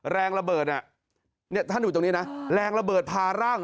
แรงระเบิดเนี่ยท่านอยู่ตรงนี้นะแรงระเบิดพาร่าง